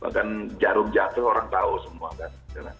kan jarum jatuh orang tahu semua kan